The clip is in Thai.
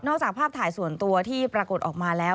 จากภาพถ่ายส่วนตัวที่ปรากฏออกมาแล้ว